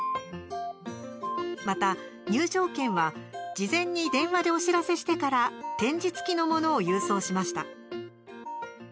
また、入場券は事前に電話でお知らせしてから点字つきのものを郵送しました。